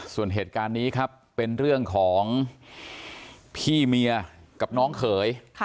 ส่วนเหตุการณ์นี้ครับเป็นเรื่องของพี่เมียกับน้องเขย